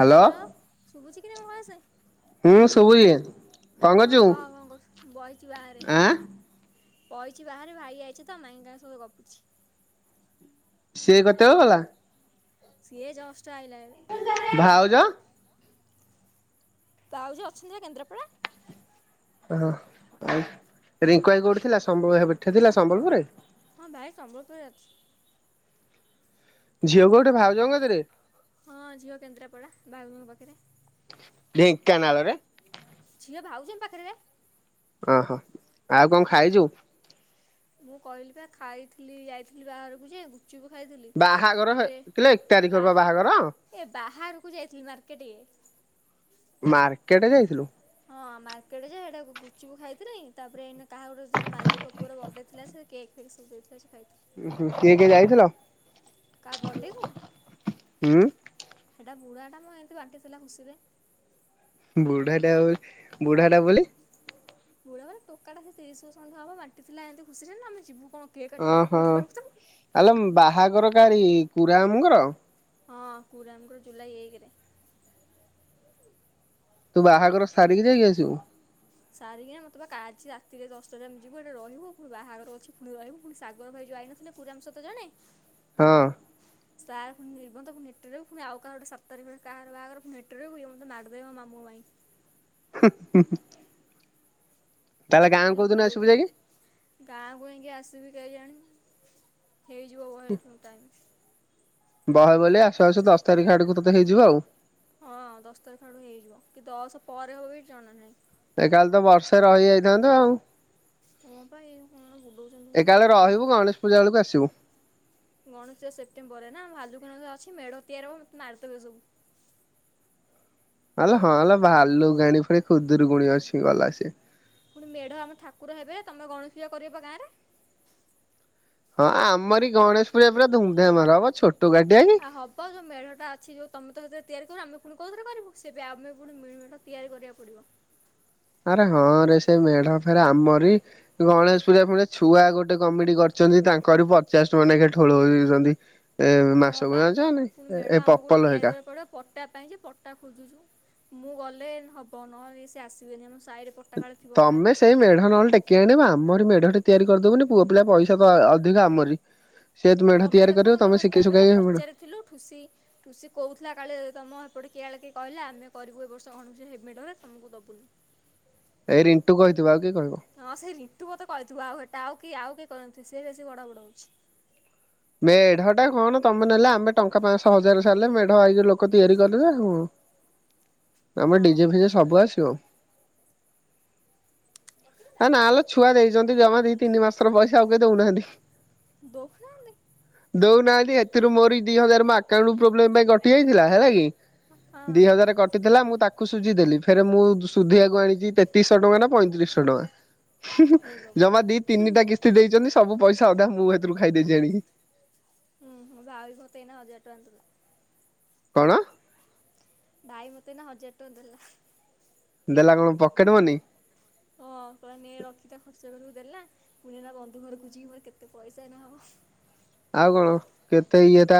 Hello hello. ଶୁବୁଚି କି ନାଇଁ ମୋ ଭଏସେ? ହୁଁ ଶୁବୁଚି। ହଁ କହ କଣ କହୁଚୁ ମୁଁ ବଇଚି ବାହାରେ? ଆଁ ବଇଚି ବାହାରେ ଭାଇ ଆଇଚି ତ ମାଇଁ ହେଇକା ସହିତ ଗପୁଚି। ସିଏ କେତବଳେ ଗଲା? ସିଏ ଜଷ୍ଟ ଆଇଲା ଏବେ। ଭାଉଜ? ପାଉଜ ଅଛନ୍ତି ବା କେନ୍ଦ୍ରାପଡ଼ା ଓହ ଆଉ ରିଙ୍କୁ ହାଇ କୋଉଠି ଥିଲା ସମ୍ବଆଖରେ ହେଠି ଥିଲା ସମ୍ବଲପୁରେ? ହଁ ଭାଇ ସମ୍ବଲପୁରେ ଅଛି। ଝିଅ କୋଉଟି ଭାଉଜଙ୍କ କତିରେ? ହଁ ଝିଅ କେନ୍ଦ୍ରାପଡା ଭାଉଜଙ୍କ ପାଖେରେ। ଢେଙ୍କାନାଳରେ? ଝିଅ ଭାଉଜଙ୍କ ପାଖେରେ ବେ। ଓହୋ ଆଉ କଣ ଖାଇଚୁ? ମୁଁ କହିଲି ପା ଖାଇଥିଲି ଯାଇଥିଲି ବାହାରକୁ ଯେ ଗୁ ଗୁପ୍ ଚୁପ ଖାଇଥିଲି ବାହାଘର ହେ ତାପରେ କିଲୋ ଏକ ତାରିଖରେ ବା ବାହାଘର ଏ ବାହାରକୁ ଯାଇଥିଲି ମାର୍କେଟ! ମାର୍କେଟ ଯାଇଥିଲୁ! ହଁ ମାର୍କେଟ ଜେ ହେଟା ଗୁ ଗୁପ୍ ଚୁପ୍ ଖାଇଥିଲି ତାପରେ ଏଇନେ କାହା ଗୋଟେ ତାଙ୍କ ମାଲିକ ପୁଅର ବାର୍ଥଡେ ଥିଲା ସେ କେକ ଫେକ୍ ସବୁ ଦେଇଥିଲେ ସବ୍ ଖାଇଥି ଉ ହୁ କିଏ କିଏ ଯାଇଥିଲ? କା ବର୍ଡେ କୁ ହୁଁ ସେଟା ବୁଢା ଟା ମ ଏମତି ବାଣ୍ଟିଥିଲା ଖୁସିରେ! ବୁଢ଼ାଟା ହଉ ବୁଢ଼ାଟା ବୋଲେ? ବୁଳେ ର ଟୋକା ଟା ତ ତିରିଶି ବର୍ଷ ଖଣ୍ଡେହବ ବାଣ୍ଟି ଥିଲା ଏମିତି ଖୁସିରେ ଆମେ ଯିବୁ କଣ କେକ୍ କାଟିବୁ ହାପି ଓହୋ ବଡେ କହିବୁ ତାକୁ। ଆଲୋ ବାହାଘର କାହାରି ପୁରା ମାମୁଙ୍କର? ହଁ କୁରା ମାମୁଙ୍କର ଜୁଲାଇ ଏକ ରେ! ତୁ ବାହାଘର ସାରିକି ଯାଇକି ଆସିବୁ? ସାରିକିନା ମତେ ବା କା ଆଜି ରାତିରେ ଦଶଟାରେ ଆମେ ଯିବୁ ଏଠେ ରହିବୁ ପୁଣି ବାହାଘର ଅଛି ପୁଣି ରହିବୁ ପୁଣି ସାଗର ଭାଇ ଯୋଉ ଆଇ ନଥିଲେ କୁରାମଶ ତ ଜଣେ ହଁ! ସଆର ପୁଣି ନିର୍ବନ୍ଧ ପୁଣି ନେଟ୍ରେୁଣି ଆଉ କା ଗୋଟ ସର୍ତରେ କାହାର ବାହାହାରର ନେଟରେ ବି ହୁବ ମୋତ ମଡ଼ିଦେବ ମାମୁଁ ପାଇଁ ହୁ ହଁ! ଖାଲି କୋଉଦିନ ଆସିବୁ ବୁଲଉଛି ଯାଇକି ଗାଁକୁ ଜାଇକି ଆସିବି କେଜାଣି! ହେଇଯିବ ଓ ହେଁ ଇ ଯିବ ଟାଇମ୍! ବହେ ବୋଲି ଆଶୁ ଆସୁ ଦଶ ତାରିଖ ଆଡକୁ ତୋତେ ହେଇଯିବ ଆଉ! ହଁ ଦଶ ତାରିଖ ବେଳକୁ ହେଇଯିବ କି ଦଶ ପରେ ହବ ବି ଜଣା ନାହିଁ! ଏ କାଲି ତ ବର୍ଷେ ରହିଯାଇଥାନ୍ତୁ ଆଉ! ହଁ ପା ଏ କଣ ବୁଲଉଛନ୍ତି ମୁଁ ଏକାବେଳେ ଜାଣି ରହିବୁ ପାରୁନି? ଗଣେଶ ପୂଜା ବେଳକୁ ଆସିବୁ ଗଣେଶ ପୂଜା ସେପ୍ଟେମ୍ବର ରେ ନା ଭାଲୁ କା ନା ଅଛି ମେଢ ତିଆରି ହବ ମତେ ମାରି ଦେବେ ସବୁ! ଆଲୋ ହଁ ଲୋ ଭାଲୁକାଣି ପୁଣି ଖୁଦୁରୁକୁଣୀ ଅଛି ଗଲା ସେ! ପୁଣି ମେଢ଼ ଆମ ଠାକୁର ହେବେ ତମେ ଗଣେଷ ପୂଜା କରିବ ବା ଗାଁରେ? ହଁ ଆମରି ଗଣେଶ ପୂଜା ପୁରା ଧୁମଧାମରେ ହବ ଆ ବ ଛୋଟ କାଟିଆ କି! ଆଉ ହବ ଯୋଉ ମେଢଟା ଅଛି ଯୋଉ ତମେ ତ ସେଥିରେ ତିଆରି କରିବ ଆମେ ପୁଣି କଉଥିରେ କରିବୁ ସେବେ ଆମେ ପୁଣି ମେ ମେଢଟା ତିଆରି କରିବାକୁ ପଡ଼ିବ! ଆରେ ହଁରେ ସେ ମେଢ ଫେରେ ଆମରି! ଗଣେଶ ପୂଜା ପୁଳାଇ ଛୁଆ ଗୋଟେ କମିଡି କରିଛନ୍ତି ତାଙ୍କର ପଚାଶ ଟଙ୍କା ନେଖା ଠୁଳ କରୁଛନ୍ତି! ଏ ହଁ ପା ମାସକୁ ଯା ପୁଣି ନାଇ ମେଢ଼ ଏ ଆମକୁ ଗୋଟେ ପପଲ ହେ ତିଆରି ଏକା! କରିବାକୁ ପଡ଼ିବ ପଟା ପାଇଁ ଯେ ପଟା ଖୋଜୁଛୁ ମୁଁ ଗଲେ ହବ ନହଲେ ସେ ଆସିବେନିଁ ଆମ ସାହିରେ ପ ତମେ ସେଇ ମେଢ ନହେଲେ ଟେକି ଆଣିବା ଆମରି ମେଢ ଏଠି ତିଆରି କରିଦବୁନି ପୁଅ ପିଲା ପଇସା ତ ଅ ଅଧିକ ଆମରି! ସେ ଜଦି ମେଢ ତିଆରି କରିବ ତମେ ସିଖେଇ ଶୁଖାଇ କି ଥିଲୁ ଖୁସି ଖୁସୀ କହୁଥିଲା କାଲି ତମର ହେପଟେ କିଏ କହିଲା ଆମେ କରିବୁ ଏ ବର୍ଷ ଗଣେଶ ପୂଜା ତମକୁ ଦବୁନି। ଏଇ ରିଣ୍ଟୁ କହିଥିବ ଆଉ କିଏ କହିବ? ହଁ ସେଇ ରିଣ୍ଟୁ ବୋଧେ କହିଥିବ ଆଉ ସେଟା ଆଉ କିଏ ଆଉ କିଏ କହି ନଥିବେ ସେ ବେଶୀ ଭଡ ଭଡ଼ ହଉଛି। ମେଢଟା କଣ ତମେ ନେଲେ ଆମେ ଟଙ୍କା ପାଞ୍ଚଶହ ହଜାର ସାରିଲେ ମେଢ ଆଇକି ଲୋକ ତିଆରି କରିବେ ଆଉ ଆମେ ହଁ ଡିଜେ ଫିଜେ ସବୁ ଆସିବ। ନା ଲୋ ଛୁଆ ଦେଇଛନ୍ତି ଜମା ଦି ତିନି ମାସର ପଇସା ଆଉ କେ ଦଉନାହାନ୍ତି। ଦଉନାହାଁନ୍ତି। ଦଉନାହାନ୍ତି ଏଥିରୁ ମୋର ଦି ହଜାର ମୋ ଆକାଉଣ୍ଟ ପ୍ରୋବ୍ଲେମ ପାଇଁ କଟି ଯାଇଥିଲା ହେଲା କି? ହଁ ଦି ହଜାର କ କଟିଥିଲା ମୁଁ ତାକୁ ସୁଝିଦେଲି ଫେରେ ମୁଁ ଶ ସୁଧିଆକୁ ଆଣିଛି ତେତିଶହ ଟଙ୍କା ନା ପଇଁତିରିଶହ ଟଙ୍କା। ଏ ପ୍ରଭୁ। ଜମା ଦି ତିନିଟା କିସ୍ତି ଦେଇଛନ୍ତି ସବୁ ପଇସା ଅଧା ମୁଁ ଏଥିରୁ ଖାଇଦେଛି ଆଣିକି। ହୁଁଁ ହୁଁ ଭାଇ ମତେ ଏଇନା ହଜାରେ ଟଙ୍କା ଦେଲା। କଣ? ଭାଇ ମତେ ଏଇନା ହଜାର ଟଙ୍କା ଦେଲା। ଦେଲା କଣ ପକେଟ ମନି। ହଁ କଇଲା ନେ ରଖିଥା ଖର୍ଚ୍ଚ କରିବୁ ଦେଲା। ପୁଣି ଏଇନା ବନ୍ଧୁ ଘରକୁ ଯିବୁ କେତେ ପଇସା ଏଇନା ହବ। ଆଉ କଣ କେତେ ଇଏଟା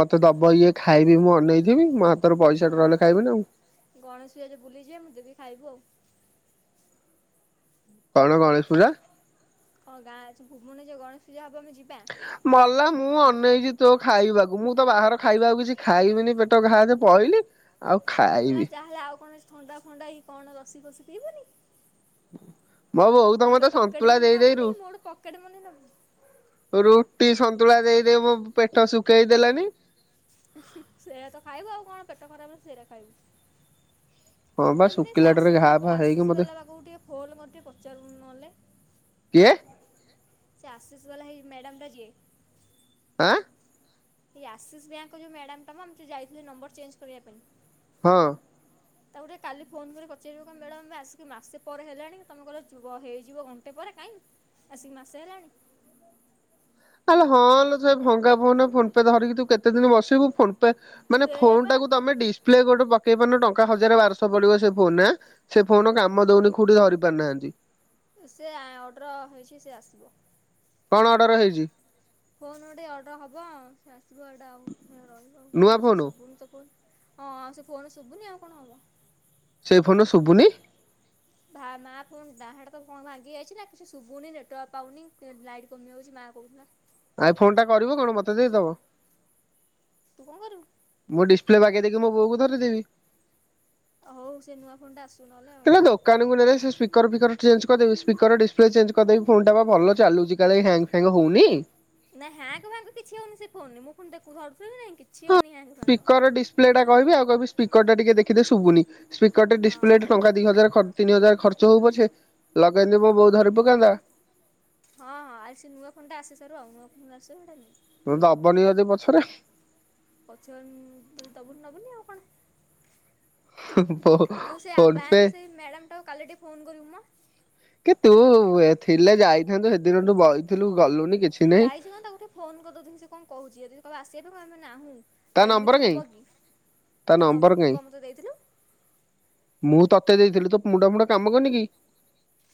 ମତେ ଦବ ଇଏ ଖାଇବି ମୁଁ ଅନେଇଥିବି ମ ତୋର ପଇସାଟା ରହିଲେ ଖାଇବେ ନା ଆଉ ଗଣେଶ ପୂଜା ଯୋଉ ବୁଲିଯିବା ମୁଁ ଦେବି ଖାଇବୁ ଆଉ କଣ ଗଣେଶ ପୂଜା? ହଁ ଗାଁ ଅଛି ଭୁବୁନି ଯୋଉ ଗଣେଶ ପୂଜା ହେବ ଆମେ ଯିବା। ମଲା ମୁଁ ଅନେଇଚି ତୋ ଖାଇବାକୁ ମୁଁ ତ ବାହାର ଖାଇବା ଆଉ କିଛି ଖାଇବିନି ପେ ପେଟ ଘା ରେ ପଇଲି। ଆଉ ମଲା ଖାଇବି ଚାହା ହେଲା ଆଉ କଣ ସେ ଥଣ୍ଡା ଫଣ୍ଡା ହେଇ କଣ ଲସି ଫଶି ପିଇବୁନି। ମୋ ବୋଉ ତ ମତେ ପକେଟ ସନ୍ତୁଳା ମନି ଦେଇ ଦେଇରୁ ନବୁନି ମୋଠୁ ପକେଟ ମନି ନବୁ। ରୁଟି ସନ୍ତୁଳା ଦେଇ ଦେଇ ମୋ ପେଟ ଶୁଖେଇ ଦେଲାଣି। ଉହୁଁ ସେଇଆ ତ ଖାଇବୁ ଆଉ କଣ ପେଟ ଖରାପରେ ସେଇରା ଖାଇବୁ। ହଁ ବା ଆରେ ମୁନି ସେ ଶୁଖିଲାଟାରେ ଆସେସ ଘା ଫା ହେଇକି ଆସୁଛି ମତେ ବାଲା ପାଖକୁ ଟିକେ ଫୋନକରି ଟିକେ ପଚାରୁନୁ ନହେଲେ। କିଏ? ସେ ଆସେସ ବାଲା ହେଇ ମ୍ୟାଡାମଟା ଯିଏ ହା। ଏଇ ଆକ୍ସିସ୍ ବ୍ୟାଙ୍କର ଯୋଉ ମ୍ୟାଡ଼ାମଟା ମ ଆମେ ଯୋଉ ଯାଇଥିଲେ ନମ୍ବର ଚେଞ୍ଜ କରିବା ପାଇଁ। ହଁ। ତାକୁ ଟିକେ କାଲି ଫୋନ କରି ପଚାରିବ କି ମ୍ୟାଡାମ ଆସିକି ମାସେ ପରେ ହେଲାଣି ତମେ କଇଲ ଯେ ହେଇଯିବ ଘଣ୍ଟେ ପରେ କାଇଁ ଆସିିକି ମାସେ ହେଲାଣି। ଆଲୋ ହଁ ଲୋ ସେ ଭଙ୍ଗା ଫୋନରେ ଫୋନପେ ଧରିକି ତୁ କେତେ ଦିନ ବସିବୁ ଫୋନ ପେ ମାନେ ସେଇଆ ପା ଫୋନଟାକୁ ତମେ ଡିସପ୍ଲେ ଗୋଟେ ପକେଇ ପାରୁନ ଟଙ୍କା ହଜାର ବାରଶହ ପଡିବ ସେ ଫୋନରେ ମା ସେ ଫୋନ କାମ ଦଉନି ଖୁଡି ଧରି ପାରୁନାହାନ୍ତି। ସେ ଆ ଅର୍ଡ଼ର ହେଇଛି ସେ ଆସିବ। କଣ ଅର୍ଡର ହେଇଛି? ଫୋନ ଗୋଟେ ଅର୍ଡର ହବ ସେ ଆସିବ ଏଇଟା ଆଉ ରହିବ ଆଉ ନୂଆ କଣ ସେ ଫୋନ। ଶୁଭୁନିତ ଫୋନ ହଁ ଆଉ ସେ ଫୋନ ଶୁଭୁନି ଆଉ କଣ ହବ? ସେଇ ଫୋନରେ ଶୁଭୁନି? ଭା ମା ଫୋନ ଟା ହେଟା ତ କଣ ଭାଙ୍ଗି ଯାଇଛି ନା କିଛି ଶୁଭୁନି ନେଟୱାର୍କ ପାଉନି ଲାଇଟ୍ କମି ଯାଉଛି ମା କହୁଥିଲା। ଆଇ ଫୋନଟା କରିବ କଣ ମତେ ଦେଇଦବ। ତୁ କଣ କରିବୁ? ମୁଁ ଡିସପ୍ଲେ ବାଗେଇ ଦେଇକି ମୋ ବୋଉକୁ ଧରେଇ ଦେବି। ଓ ହଉ ସେ ନୂଆ ଫୋନଟା ଆସୁ ନହେଲେ ଆଉ। [unintelligible] କାନୁକୁ ନେଲେ ସିଏ ସ୍ପିକର ଫିକର ଚେଞ୍ଜ କରିଦେମି ସ୍ପିକର ଡିସପ୍ଲେ ଚେଞ୍ଜ କରିଦେବି ଫୋନଟା ବା ଭଲ ଚାଲୁଚି କାଳେ ହ୍ୟାଙ୍ଗ୍ ହ୍ୟାଙ୍ଗ୍ ହଉନି। ନାଁ ହ୍ୟାଙ୍ଗ୍ ଭାଙ୍ଗ କିଛି ହଉନି ସେ ଫୋନରେ ମୁଁ ଫୁଣି ଦେଖୁ ଧରୁଥିଲି ନା ନାଇଁ କି କିଛି ହଁ ହେଉନି ହ୍ୟାଙ୍ଗ ଫ୍ୟାଙ୍ଗ। ସ୍ପିକର ଡିସପ୍ଲେଟା କହିବି ଆଉ କହିବି ସ୍ପିକରଟା ଟିକେ ଦେଖିଦେ ଶୁବୁନି। ସ୍ପିକରଟେ ଡିସପ୍ଲେଟେ ହଁ ଟଙ୍କା ଦି ହଜାର ଖ ତିନି ହଜାର ଖର୍ଚ ହଉ ପଛେ ଲଗେଇନେ ମୋ ବୋଉ ଧରି ପକାନ୍ତା। ହଁ ହଁ ଆଇ ସେ ନୂଆ ଫୋନଟା ଆସି ସାରୁ ଆଉ ନୂଆ ଫୋନ୍ ଆସିସାରୁ ଏଇଟା ନେଇ ତୁମେ ଦବନି ଯଦି ପଛରେ। ପଛରେ ଉଁ ଯଦି ଦବୁନି ନବୁନି ଆଉ କଣ। ହୁଁ ବୋହୁ ଯୋଉ ସେ ଆ ବ୍ୟାଙ୍କକୁ ସେଇ ମ୍ୟାଡାମଟାକୁ କାଲି ଟିକେ ଫୋନ କରିବୁ ମ। କି ତୁ ଏ ଥିଲେ ଯାଇଥାନ୍ତୁ ସେଦିନଠୁ ବଇଥିଲୁ ଗଲୁନି କି ବୁ ଯାଇଛି ମ ତାଙ୍କୁ ଟିକେ ଫୋନ୍ କରିଦବୁ ଦେଖି ସିଏ କଁ କହୁଛି ଯଦି ଯଦି କହିବ ଆସିବା ପାଇଁ କହିବୁ ଆମେ ନାହୁଁ। ତା ଆଉ ନମ୍ବର ଏମିତି କାଇଁ ହବ କି ତା ନମ୍ବର ତୁ ପା ମୋତେ ଦେଇଥିଲୁ। ମୁଁ ତତେ ଦେଇଥିଲି ତୋ ମୁଣ୍ଡ ଫୁଣ୍ଡ କାମ କରୁନି କି।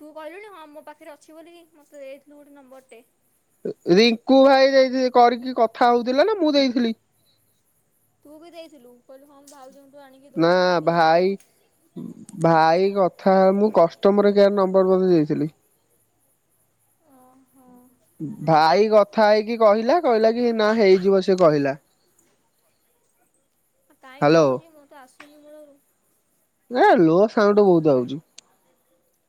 ତୁ କହିଲୁଣି ହଁ ମୋ ପାଖରେ ଅଛି ବୋଲିକି ମତେ ଦେଇଥିଲୁ ଗୋଟେ ନମ୍ବରଟେ। ଏ ରିଙ୍କୁ ଭାଇ ଦେଇଥିବେ କରିକି କଥା ହଉଥିଲା ନା ମୁଁ ଦେଇଥିଲି। ତୁ ବି ଦେଇଥିଲୁ କହିଲୁ ହଁ ମୁଁ ଭାଉଜଙ୍କୁଠୁ ଆଣିକି ନା ଦଉଛି କହିକି ଭାଇ ଦେଇଥିନୁ। ଭାଇ କି କଥା ମୁଁ କଷ୍ଟମର କେୟାର୍ ନମ୍ବର ବୋଧେ ଦେଇଥିଲି। ଓହୋ ହେଇଥିବ। ଭାଇ କ ଥା ହେଇକି କହିଲା କହିଲା କି ନା ହେଇଯିବ ସିଏ କହିଲା। କାଇଁ ହ୍ୟାଲୋ ହଉଚି ମୁଁ ତ ଆସୁନି ମୂଳୁରୁ। ଲା ଲୋ ସାଉଣ୍ଡୁ ବୋହୁତ ଆଉଚି।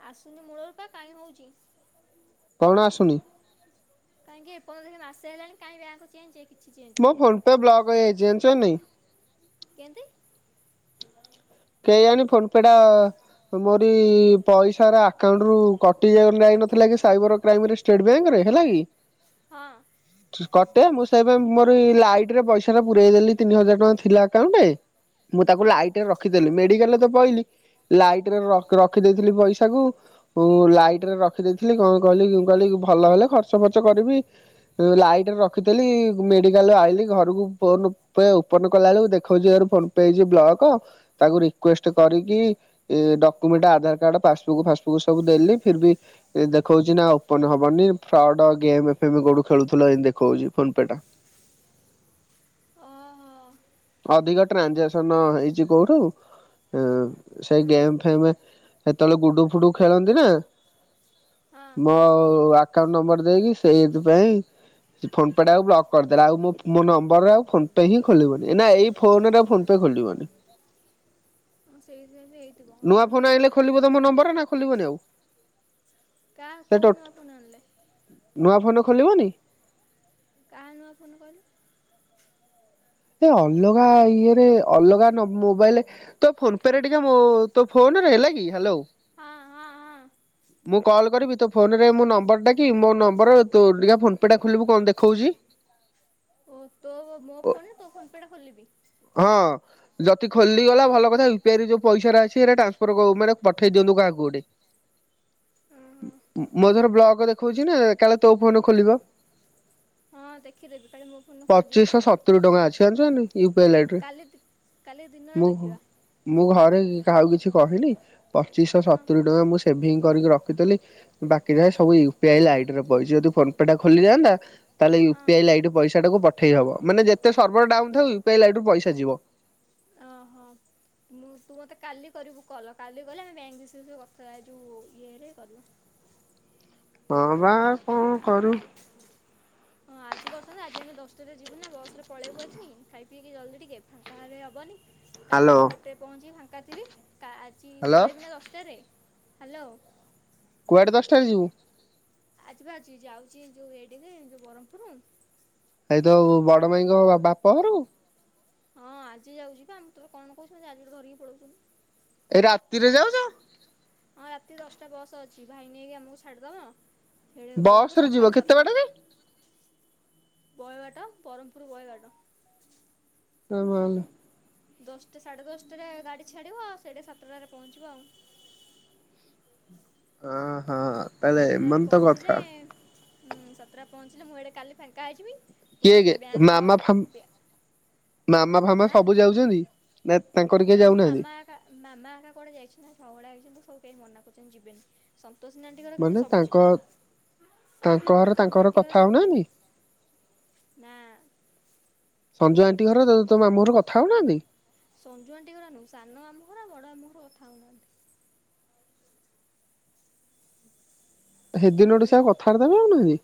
ଆସୁନି ମୂଳରୁ ପା କାଇଁ ହଉଚି। କଣ ଆସୁନି? କାଇଁକି ଏ ପର୍ଯ୍ୟନ୍ତ ହେଇ ମାସେ ହେଲାଣି କାଇଁ ବ୍ୟାଙ୍କକୁ ଚେଞ୍ଚେ। ମୋ ଫୋନ ପେ ବ୍ଲକ ହେଇଯାଇଚି ଜାଣିଚୁ ନା ନାଇଁ। କେନ୍ତି? କେଆଣି ଫୋନ ପେ ଟା ମୋରି ପଇସାର ଆକାଉଣ୍ଟରୁୁ କଟିଯାଉ ନାଇ ନଥିଲା କି ସାଇବର କ୍ରାଇମରେ ଷ୍ଟେଡ୍ ବ୍ୟାଙ୍କରେ ହେଲା କି ହଁ [unintelligible] କଟେ ମୁଁ ସ୍ ସେଇପାଇଁ ମୋର ଇ ଲାଇଟରେ ପଇସାରା ପୁରେଇ ଦେଲି ତିନି ହଜାର ଟଙ୍କା ଥିଲା ଆକାଉଣ୍ଟେ। ମୁଁ ତାକୁ ହଁ ଲାଇଟିରେ ରଖିଦେଲି ମେଡିକାଲରେ ତ ପଇଲି। ଲାଇଟିରେ ରକ୍ ରଖିଦେଇଥିଲି ପଇସାକୁ ମୁଁ ଲାଇଟିରେ ରଖିଦେଇଥିଲି କଣ କହିଲି କି ମୁଁ କହିଲି କି ଭଲ ହେଲେ ଖର୍ଚ୍ଚ ଫର୍ଚ କରିବି। ଉଁ ଲାଇଟିରେ ରଖିଥେଲି ଗୁ ମେଡିକାଲରୁ ଆଇଲି ଘରକୁ ଫୋନ ପେ ଓପନ କଲା ବେଳୁକୁ ଦେଖଉଚି your phone pay is block. ତାକୁ ରିକ୍ୱେଷ୍ଟ କରିକି ଏଁ ଡକୁମେଣ୍ଟ ଆଧାର କାର୍ଡ ପାସବୁକ୍ ଫାସବୁକ୍ ସବୁ ଦେଲି ଫିର୍ ବି ଏଁ ଦେଖଉଚି ନା ଓପନ ହବନି ଫ୍ରଡ ଗେମେ ଫେମେ କୋଉଠୁ ଖେଳୁଥୁଲ ଏନ୍ତି ଦେଖଉଚି ଫୋନ ପେ ଟା। ଓହୋ। ଅଧିକ ଟ୍ରାଞ୍ଜାକ୍ସନ ହେଇଚି କୋଉଠୁ ଏଁ ସେ ହୁଁ ଗେମ୍ ଫେମେ ସେତେବେଳେ ଗୁଡୁ ଫୁଡୁ ଖେଳନ୍ତି ନା। ମୋ ହଁ ଆକାଉଣ୍ଟ ନମ୍ବର ଦେଇକି ସେଇଥିପାଇଁ ସିଏ ଫୋନ ପେ ଟାକୁ ବ୍ଲକ୍ କରିଦେଲା ଆଉ ମୋ ପ୍ ମୋ ନମ୍ବରରେ ଆଉ ଫୋନ୍ ପେ ହିଁ ଖୋଲିବନି। ଏ ନା ଏଇ ଫୋନରେ ଆଉ ଫୋନ ପେ ଖୋଲିବନି। ହଁ ସେଇ ସକାଶେ ହେଇଥିବ ନୂଆ ଆଉ ନହେଲେ ଫୋନ ଆଣିଲେ କଣ। ଖୋଲିବ ତମ ନମ୍ବରରେ ନା ଖୋଲିବନି ଆଉ। କା ସେ ଟୋ କୋଉ ନୂଆ ଫୋନ୍ ଆଣିଲେ? ନୂଆ ଫୋନରେ ଖୋଲିବନି। କାହା ନୂଆ ଫୋନରେ କହିଲୁ? ଏ ଅଲଗା ଇଏରେ ଅଲଗା ନ ମୋବାଇଲରେ ତୋ ଫୋନ ପେରେ ଟିକେ ମୋ ତୋ ଫୋନରେ ହେଲା କି ହ୍ୟାଲୋ ହଁ ହଁ ହଁ। ହଁ ମୁଁ କଲ୍ କରିବି ତୋ ଫୋନରେ ମୋ ନମ୍ବରଟା କି ମୋ ନମ୍ବର ତ ଟିକେ ଫୋନ୍ପେଟା ଖୋଲିବୁ କଣ ଦେଖାଉଛି। ଓ ତୋ ମୋ ଫୋନରେ ତୋ ଫୋନ ପେ ଟା ଖୋଲିବି? ହଁ ଯଦି ଖୋଲି ଗଲା ହଉ ଭଲ କଥା। ୟୁ ପି ଆଇ ରେ ଯୋଉ ପଇସା ଗୁରା ସେଇା ଟାନ୍ସଫର ମାନେ ପଠେଇ ଦିଅନ୍ତୁ କାହାକୁ ଗୋଟେ। ହଁ ହଁ ମୋ ର ବ୍ଲକ ଦେଖଉଛି ନା, କାଳେ ତୋ ଫୋନ ଖୋଲିବ। ହଁ ଦେଖିଦେବି କାଳେ ମୋ ଫୋନ୍ ରେ ଖୋଲିଯିବ। ପଚିଶହ ସତୁରି ଟଙ୍କା ଅଛି ଜାଣିଚୁ କି ନାଇଁ, ୟୁ ପି ଆଇ ଲାଇଟ୍ ରେ। କାଲି, କାଲି ଦିନରେ ମୁଁ ଦେଖିବା। ମୁଁ ଘରେ କାହାକୁ କିଛି କହିନି, ପଚିଶଶହ ହଁ ସତୁରି ଟଙ୍କା ମୁଁ ସେଭିଙ୍ଗ କରିକି ରଖିଥିଲି। ବାକି ଯାଏ ସବୁ ୟୁ ପି ଆଇ ଲାଇଟ ରେ ପଇଛି ଯଦି ଫୋନ ପେ ଟା ଖୋଲିଯାଆନ୍ତା। ତାହେଲେ ହଁ ୟୁପି ଆଇ ଲାଇଟ ପଇସା ଟାକୁ ପଠେଇ ହବ, ମାନେ ଯେତେ ସର୍ଭରଡାଉନ ଥାଉ ୟୁ ପି ଆଇ ଲାଇଟ ରୁ ପଇସା ଯିବ। ଓହୋ ମୁଁ ତୁ ମତେ କାଲି କରିବୁ କଲ କାଲି କଲେ ଆମେ ଏ ବିଷୟରେ ସବୁ କଥାଉ ଇରେ କରିବା। ହଁ ବା କଣ କରିବୁ। ହଁ ଆଜି କରିଥାନ୍ତ ଆଜି ଆମେ ଦଶଟାରେ ଯିବୁ ନା ବସରେ ପଳେଇବୁ ଆଜି, ଖାଇ ପିଇକି ଜଲ୍ଦି ଟିକେ ଫାଙ୍କା ହେଲେ ହବନି। କାଲି ହାଲୋ। ମୁ ଏଟେ ପହଞ୍ଚିବି ଫାଙ୍କା ଥିବି, ଆଜି ହାଲୋ ପଳେଇବି ନା ଦଶ ରେ ହ୍ୟାଲୋ। କୁଆଡ଼େ ଦଶଟାରେ ଯିବୁ? ଆଜିିବା ଆଜି ଯାଉଛି ଯୋଉ ଏଡିରେ ଯୋଉ ବରହମ୍ପୁର। ଆଇ ତ ବଡ ମାଇଙ୍କ ବାପଘରକୁ? ହଁ ଆଜି ଯାଉଛି ବା, ଆଉ ମୁଁ ତତେ କଣ କହୁଛି ଆଜି ଗୋଟେ ଧରିକି ପଡଉଥୁଲୁ। ଏଇ ରାତିରେ ଯାଉଛ? ହଁ ରାତି ଦଶଟା ବସ୍ ଅଛି, ଭାଇ ନେଇକି ଆମକୁ ଛାଡ଼ିଦବ। ଖେଳେ ବସ [unintelligible] ରେ ଯିବ ସକାଳେ କେତେ ସାତଟା ବାଟ କି? ବହେବାଟ ବରହମପୁର ବହେବାଟ। ନା ମାଲ୍ ନାହିଁ। ଦଶଟା ସାଢ଼େ ଦଶଟାରେ ଗାଡ଼ି ଛାଡ଼ିବ ଆଉ ସେଇଟା ସାତଟାରେ ପହଞ୍ଚିବ ଆଉ। ଅ ହଁ। ସାତଟାରେ ପହଞ୍ଚିଲେ, ସାତଟାରେ ପହଞ୍ଚିଲେ ମୁଁ ଏଡେ କାଲି ଫାଙ୍କା ହେଇଯିବି। ତୁ କିଏ ମତେ କିଏ ବ୍ୟାଙ୍କ ମାମା ଫାମ୍ ବ୍ୟା, ଆଁ? ଉଛନ୍ତି। ନାଇ ତାଙ୍କ ନା ମଁ ମାମା ଏକା ମାମା ଏକା କୁଆଡେ ଯାଇଛନ୍ତି। ନା ସବୁଉଡା ଆଇଛନ୍ତି ସବୁ କେହି ମନା କରୁଛନ୍ତି ଯିବେନି। ସନ୍ତୋଷ ନାଁଟି ଘର ମାନେ କିନ୍ତୁ ସବୁ ତାଙ୍କ ଯିବେ। ତାଙ୍କ ଘର ତାଙ୍କ ସନ୍ତୋଷ ଘର କଥା ଆଣ୍ଟିିଙ୍କର ସବୁ ହଉନାହାନ୍ତି? ଯିବେ ନା। ସଞ୍ଜୁ ଆଣ୍ଟି ଘର ତୋ ମାମୁଁ ଘର କଥା ହଉନାହାନ୍ତି? ସଞ୍ଜୁ ଆଣ୍ଟି ଘର ନୁହଁ, ସାନ ମାମୁ ଘର ବଡ଼ ମାମୁଁ ଘର କଥା ହେଉନାହାନ୍ତି। ହେଦିନ ଠୁ ସେ ହ୍ୟାଲୋ। ଆଉ କଥାବାର୍ତ୍ତା କରୁନାହାନ୍ତି?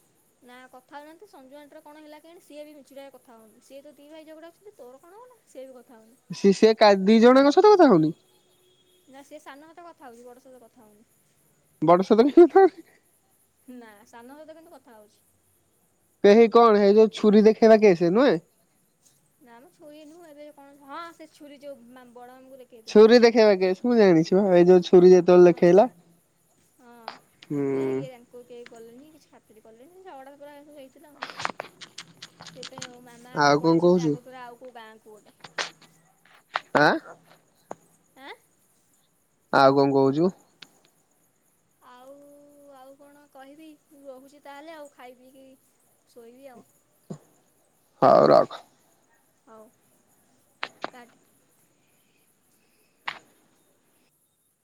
ନା କଥା ହଉନାହାନ୍ତି ସଞ୍ଜୁ ଆଣ୍ଟୀର କଣ ହେଲା କେଜାଣି ସିଏ ବି ମିଛିଟା ରେ କଥା ହଉନି, ସିଏ ତ ଦି ଭାଇ ଝଗଡ଼ା ହୋଊଛନ୍ତି ତୋର କଣ ଗଲା। ସେ ବି କଥା ହେଉନି। ସେ ସେ କା ଦି ଜଣଙ୍କ ସହିତ କଥା ହଉନି? ନା ସେ ସାନ ସହିତ କଥା ହଉଛି ବଡ ସହିତ କଥା ହଉନି। ବଡ ସହିତ ବି କଥା ହଉନି? ନା ସାନ ସହିତ କିନ୍ତୁ କଥା ହଉଛି। ପେହୀ କଣ ହେଇ ଯୋଉ ଛୁରୀ ଦେଖେଇବା କେଶ୍ ନୁହେଁ? ନାମ ଛୁରୀ ନୁଁହେଁ ଏବେ କଣ ହଁ ସେ ଛୁରୀ ଯୋଉ ମା ବଡ ମାମୁଙ୍କୁ ଦେ ଛୁରୀ ଦେଖେଇବା କେଶ୍, ମୁଁ ଜାଣିଛି ବା ଏଇ ଯୋଉ ଛୁ ଛୁରୀ ଯେତେବେଳେ ହଁ ଦେଖେଇଲା, ହୁଁ। କୁ କେହି ଗଲେନି କିଛି ଖାତିରି କଲେନି ଝଗଡା ତ ପୂରା ହେଇଚି। ସେପାଇଁ ଆଉ ମୋ ମାମା ଆଉ କଣ ପଳେଇଚନ୍ତି କହୁଛୁ ଆଗତୁରା ଆଉ କଉ ଗାଁ କୁ ଗୋଟେ। ଆଁ। ଆଁ। ଆଉ କଣ କହୁଚୁ? ଆଉ -ଆଉ କଣ କହିବି ମୁ ରହୁଚି ତାହେଲେ ଆଉ ଖାଇ ପିଇକି ଶୋଇବି ଆଉ। ହଉ ରଖ। ହଉ କାଟେ।